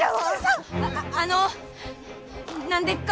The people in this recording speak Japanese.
あああの何でっか？